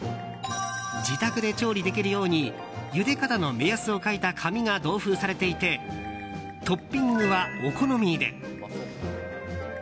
自宅で調理できるようにゆで方の目安を書いた紙が同封されていてトッピングは、お好みで。